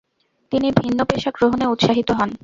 তিনি ভিন্ন পেশা গ্রহণে উৎসাহিত হন।